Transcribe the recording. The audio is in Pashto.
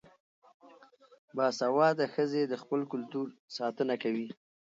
باسواده ښځې د خپل کلتور ساتنه کوي.